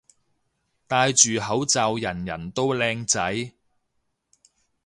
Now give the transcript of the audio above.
戴住口罩人人都靚仔